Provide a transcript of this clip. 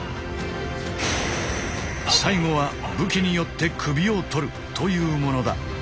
最後は武器によって首を取るというものだ。